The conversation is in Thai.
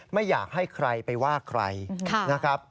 ไม่อยากให้ใครไปว่าใครนะครับ